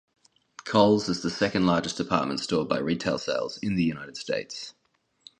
Kohl's is the second-largest department store by retail sales in the United States.